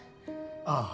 ああ。